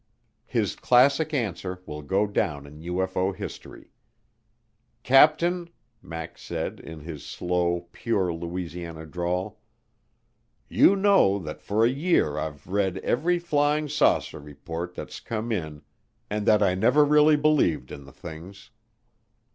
His classic answer will go down in UFO history, "Captain," Max said in his slow, pure Louisiana drawl, "you know that for a year I've read every flying saucer report that's come in and that I never really believed in the things."